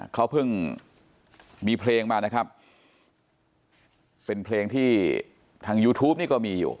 เขาเพิ่งมีเพลงมานะครับเป็นเพลงที่ทางยูทูปนี่ก็มีอยู่